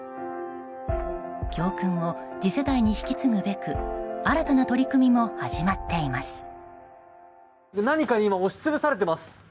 教訓を次世代に引き継ぐべく新たな取り組みも始まっています。